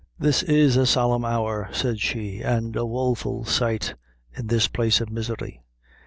"This is a solemn hour," said she, "an' a woful sight in this place of misery.